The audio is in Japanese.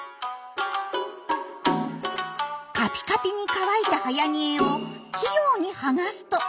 カピカピに乾いたはやにえを器用に剥がすと。